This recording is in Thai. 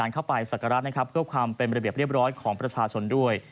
เข้าไปสักการะนะครับเพื่อความเป็นระเบียบเรียบร้อยของประชาชนด้วย